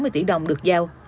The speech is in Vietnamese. tám mươi tỷ đồng được giao